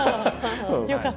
よかった。